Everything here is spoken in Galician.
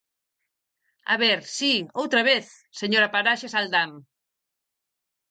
A ver, si, outra vez, señora Paraxes Aldán.